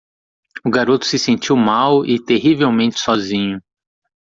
O garoto se sentiu mal e terrivelmente sozinho.